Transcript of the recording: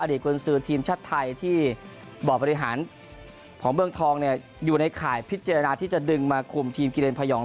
กุญสือทีมชาติไทยที่บ่อบริหารของเมืองทองเนี่ยอยู่ในข่ายพิจารณาที่จะดึงมาคุมทีมกิเลนพยอง